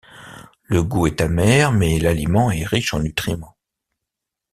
Le gout est amer, mais l'aliment est riche en nutriments.